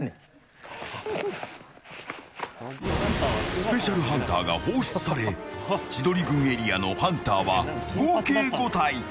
スペシャルハンターが放出され千鳥軍エリアのハンターは合計５体。